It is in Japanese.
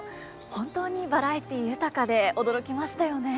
本当にバラエティー豊かで驚きましたよね。